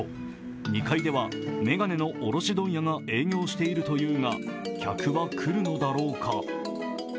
２階では眼鏡の卸問屋が営業しているというが、客は来るのだろうか？